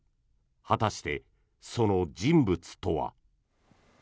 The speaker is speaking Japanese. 果たしてその人物とは。